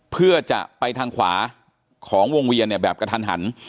เพื่อจะไปทางขวาของวงเวียนเนี่ยแบบกระทันหัน